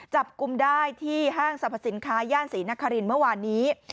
จับกลุ่มได้ที่ห้างสรรพสินค้าย่านศรีนครินทร์เมื่อวานนี้